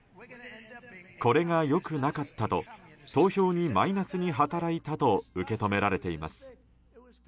これが良くなかったと投票にマイナスに働いたと受け止められています。